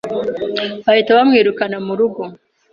bahita bamwirukana mu rugo